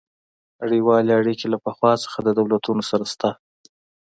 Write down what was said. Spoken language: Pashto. نړیوالې اړیکې له پخوا څخه د دولتونو سره شته